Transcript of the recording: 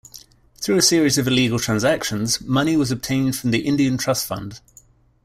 Through a series of illegal transactions, money was obtained from the Indian Trust Fund.